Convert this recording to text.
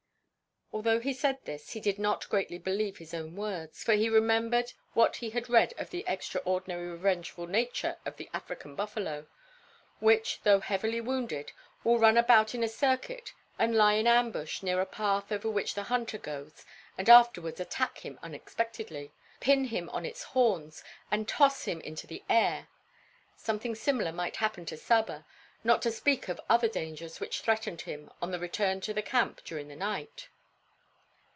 Although he said this, he did not greatly believe his own words, for he remembered what he had read of the extraordinarily revengeful nature of the African buffalo, which, though heavily wounded, will run about in a circuit and lie in ambush near a path over which the hunter goes and afterwards attack him unexpectedly, pin him on its horns, and toss him into the air. Something similar might happen to Saba; not to speak of other dangers which threatened him on the return to the camp during the night.